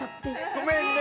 ごめんね。